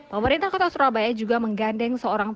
pemerintah kota surabaya juga menggandeng seorang